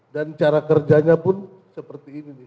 dan cara kerjanya pun seperti ini nih